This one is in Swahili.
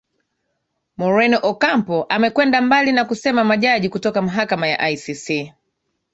moreno ocampo amekwenda mbali na kusema majaji kutoka mahakama ya icc